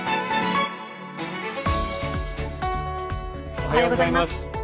おはようございます。